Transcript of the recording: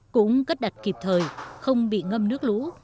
cất đặt kịp thời không bị ngâm nước lũ